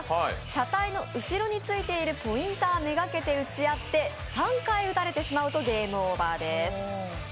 車体の後についているポインターめがけて撃ち合って３回撃たれてしまうとゲームオーバーです。